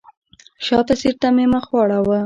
شاته سیټ ته مې مخ واړوه.